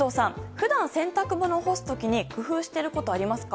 普段、洗濯物を干す時に工夫していることありますか？